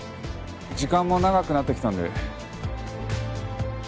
時間も長くなってきたので。